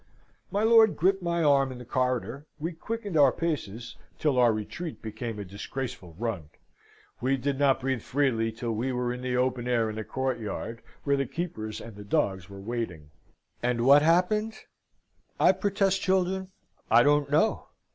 My lord gripped my arm in the corridor, we quickened our paces till our retreat became a disgraceful run. We did not breathe freely till we were in the open air in the courtyard, where the keepers and the dogs were waiting. And what happened? I protest, children, I don't know.